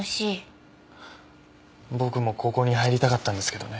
僕もここに入りたかったんですけどね。